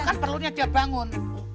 kan perlunya dia bangun